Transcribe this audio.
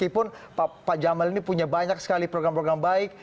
walaupun pak jamal ini punya banyak sekali program program baik